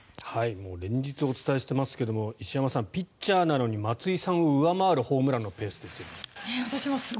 もう連日お伝えしてますけど石山さん、ピッチャーなのに松井さんを上回るホームランのペースですよ。